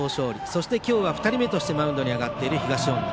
そして今日は２人目としてマウンドに上がっている東恩納。